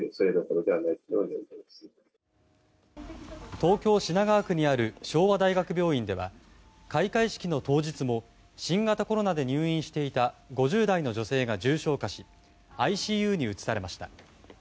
東京・品川区にある昭和大学病院では開会式の当日も新型コロナで入院していた５０代の女性が重症化しＩＣＵに移されました。